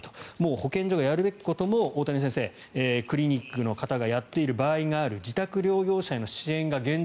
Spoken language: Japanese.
保健所がやるべきことも大谷先生クリニックの方がやっている場合がある自宅療養者への支援が現状